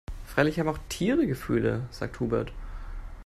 Freilich haben auch Tiere Gefühle, sagt Hubert.